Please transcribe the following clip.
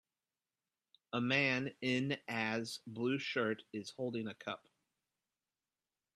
A man in as blue shirt is holding a cup